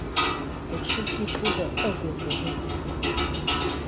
本世紀初的俄國革命